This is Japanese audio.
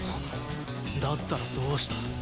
だったらどうした？